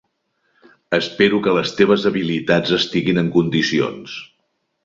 Espero que les teves habilitats estiguin en condicions.